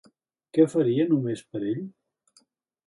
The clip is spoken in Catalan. Què faria només per ell?